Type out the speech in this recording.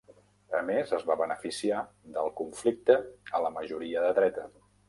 A més, es va beneficiar del conflicte a la majoria de dreta.